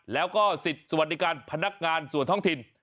แล้วก็สิทธิ์สวัสดิการพนักงานส่วนท้องถิ่น